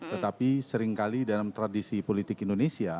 tetapi seringkali dalam tradisi politik indonesia